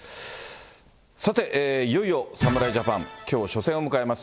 さて、いよいよ侍ジャパン、きょう、初戦を迎えます。